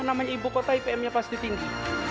namanya ibu kota ipm nya pasti tinggi